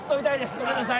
ごめんなさい